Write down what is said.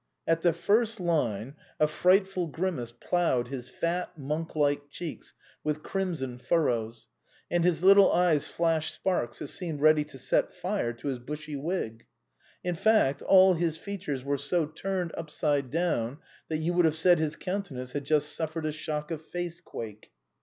At the first line a frightful grimace ploughed his fat, monk like cheeks with crimson furrows, and his little eyes flashed sparks that seemed ready to set fire to his bushy wig. In fact, all his features were so turned upside down that you would have said his coun tenance had just suffered a shock of face quake.